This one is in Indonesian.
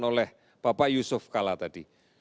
oleh bapak yusuf kala tadi